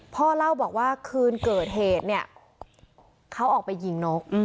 พ่อเล่าบอกว่าคืนเกิดเหตุเนี่ยเขาออกไปยิงนก